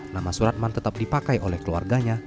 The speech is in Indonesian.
nama suratman tetap dipakai oleh keluarganya